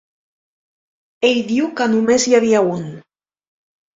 Ell diu que només hi havia un.